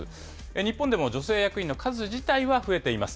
日本でも女性役員の数自体は増えています。